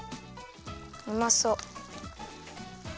うまそう。